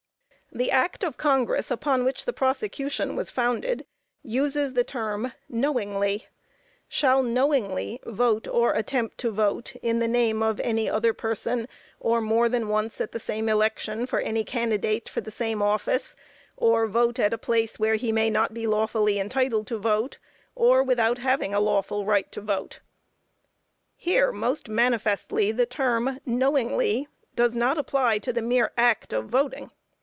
The Act of Congress upon which the prosecution was founded uses the term "knowingly," "shall knowingly vote or attempt to vote in the name of any other person, or more than once at the same election for any candidate for the same office, or vote at a place where he may not be lawfully entitled to vote, or without having a lawful right to vote." Here most manifestly the term "knowingly" does not apply to the mere act of voting.